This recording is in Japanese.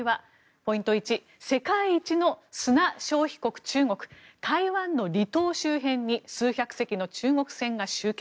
ポイント１世界一の砂消費国、中国台湾の離島周辺に数百隻の中国船が集結。